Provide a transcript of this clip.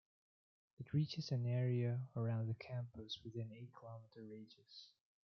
It reaches an area around the campus within eight-km radius.